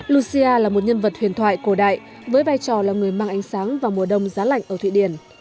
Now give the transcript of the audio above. lucia là một nhân vật huyền thoại cổ đại với vai trò là người mang ánh sáng vào mùa đông giá lạnh ở thụy điển